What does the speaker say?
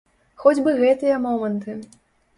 Хоць бы гэтыя моманты.